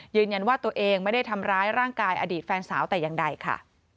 ยืนยันว่าตัวเองไม่ได้ทำร้ายร่างกายอดีตแฟนสาวแต่อย่างใดค่ะ